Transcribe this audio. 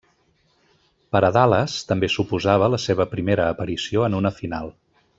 Per a Dallas també suposava la seva primera aparició en una final.